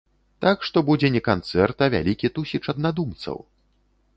Так што будзе не канцэрт, а вялікі тусіч аднадумцаў.